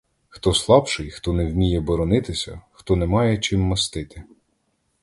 Хто слабший, хто не вміє боронитися, хто не має чим мастити.